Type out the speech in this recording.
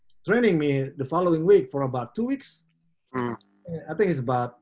saya mulai latihan minggu depan selama dua minggu